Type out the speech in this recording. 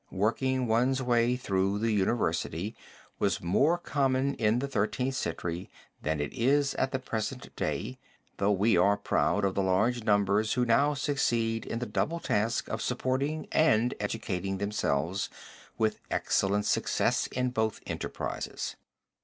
Working one's way through the university was more common in the Thirteenth Century than it is at the present day, though we are proud of the large numbers who now succeed in the double task of supporting and educating themselves, with excellent success in both enterprises.